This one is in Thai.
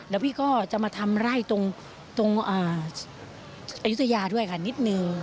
และพี่ก็จะมาทำไล่ตรงอยู่อยู่อายุทยาด้วยนิดนึง